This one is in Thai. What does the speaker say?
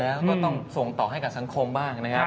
แล้วก็ต้องส่งต่อให้กับสังคมบ้างนะครับ